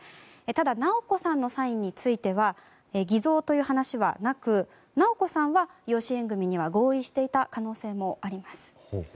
ただ直子さんのサインについては偽造という話はなく直子さんは養子縁組には合意していた可能性もあります。